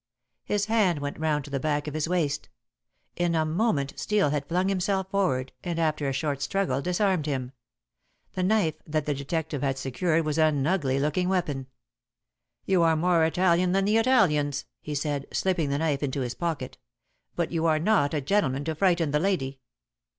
His hand went round to the back of his waist. In a moment Steel had flung himself forward, and after a short struggle disarmed him. The knife that the detective had secured was an ugly looking weapon. "You are more Italian than the Italians," he said, slipping the knife into his pocket; "but you are not a gentleman to frighten the lady."